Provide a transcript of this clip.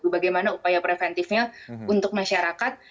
bagaimana upaya preventifnya untuk masyarakat